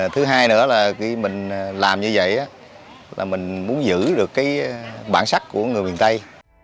thứ hai nữa là khi mình làm như vậy là mình muốn giữ được cái bản sắc của người miền tây